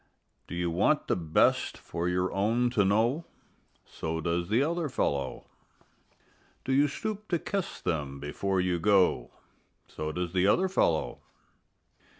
Do you want the best for your own to know? So does the other fellow. Do you stoop to kiss them before you go? So does the other fellow.